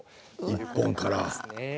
１本から。